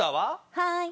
はい。